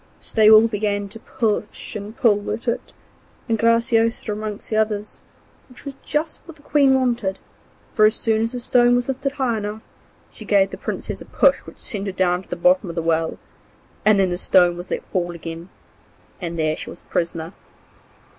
So they all began to push and pull at it, and Graciosa among the others, which was just what the Queen wanted; for as soon as the stone was lifted high enough, she gave the Princess a push which sent her down to the bottom of the well, and then the stone was let fall again, and there she was a prisoner.